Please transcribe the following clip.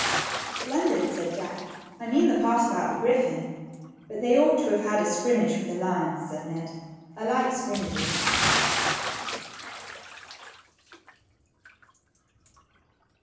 Splendid !" said Jack ; I mean that part about the griffin/' But they ought to have had a scrimmage with the lions/' said Ned ; I like scrimmages."